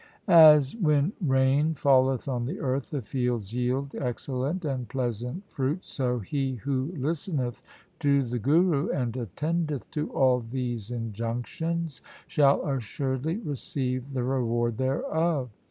' As, when rain falleth on the earth, the fields yield excellent and pleasant fruit, so he who listeneth to the Guru and attendeth to all these injunctions shall assuredly receive the reward thereof.